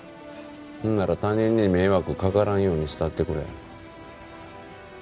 そんなら他人に迷惑かからんようにしたってくれ。